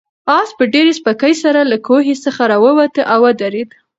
آس په ډېرې سپکۍ سره له کوهي څخه راووت او ودرېد.